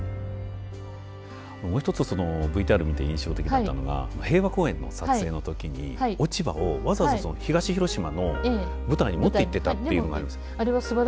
もう一つＶＴＲを見て印象的だったのが平和公園の撮影の時に落ち葉をわざわざ東広島の舞台に持っていってたっていうのがあります。